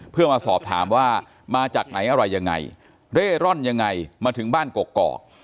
เพื่อมาสอบถามว่ามาจากไหนอะไรยังไงเร่ร่อนยังไงมาถึงบ้านกกอก